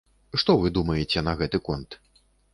Што вы думаеце на гэты конт?